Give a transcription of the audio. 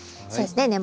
そうですね